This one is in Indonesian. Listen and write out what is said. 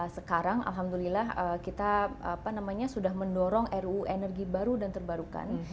sekarang alhamdulillah kita sudah mendorong ruu energi baru dan terbarukan